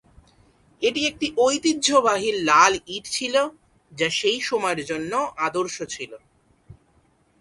এটি একটি ঐতিহ্যবাহী লাল ইট ছিল, যা সেই সময়ের জন্য আদর্শ ছিল।